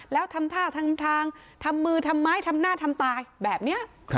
แล้วทำท่าทำทางทำมือทำไม้ทำหน้าทำตายแบบนี้